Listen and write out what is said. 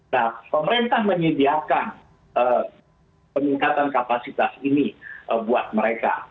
nah pemerintah menyediakan peningkatan kapasitas ini buat mereka